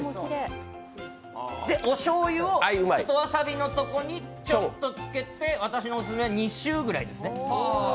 おしょうゆをわさびのところにちょんっとつけて、私のオススメは２周ぐらいですね。